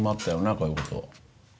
こういうこと。